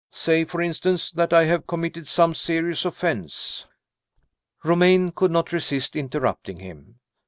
Say, for instance, that I have committed some serious offense " Romayne could not resist interrupting him.